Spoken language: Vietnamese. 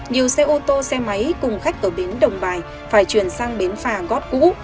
nhiều xe ô tô xe máy cùng khách ở bến đồng bài phải chuyển sang bến phà gót cũ